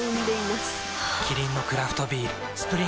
キリンのクラフトビール「スプリングバレー」